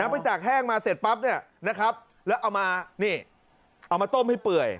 ไปตากแห้งมาเสร็จปั๊บแล้วเอามาต้มให้เปื่อย